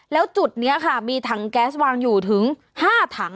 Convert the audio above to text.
แล้วจุดนี้ค่ะมีถังแก๊สวางอยู่ถึง๕ถัง